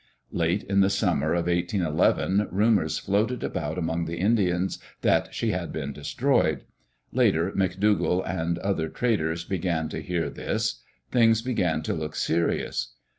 Late in the summer of 1811 rumors floated about among the Indians that she had been destroyed. Later, McDougall and other traders began to hear this. Things began to look serious.